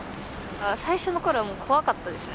最初の頃はもう怖かったですね。